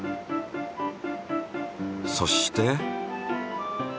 そして。